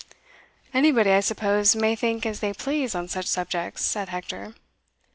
"Anybody, I suppose, may think as they please on such subjects," said Hector.